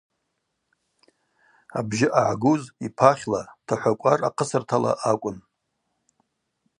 Абжьы ъагӏагуз йпахьла, Тахӏвакӏвар ахъысыртала акӏвын.